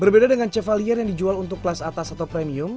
berbeda dengan cevalier yang dijual untuk kelas atas atau premium